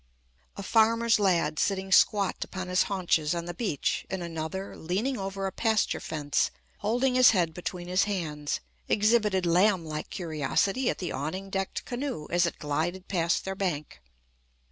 A farmer's lad sitting squat upon his haunches on the beach, and another, leaning over a pasture fence, holding his head between his hands, exhibited lamb like curiosity at the awning decked canoe, as it glided past their bank.